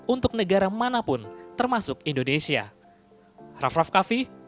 untuk negara manapun termasuk indonesia